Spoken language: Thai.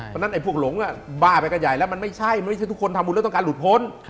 เพราะฉะนั้นไอ้พวกหลงบ้าไปกันใหญ่แล้วมันไม่ใช่มันไม่ใช่ทุกคนทำบุญแล้วต้องการหลุดพ้น